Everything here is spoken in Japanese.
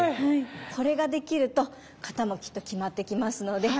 これができると形もきっと決まってきますので。